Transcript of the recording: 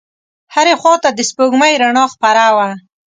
هرې خواته د سپوږمۍ رڼا خپره وه.